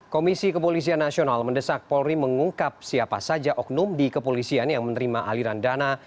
komisi kepolisian nasional mendesak polri mengungkap siapa saja oknum di kepolisian yang menerima aliran dana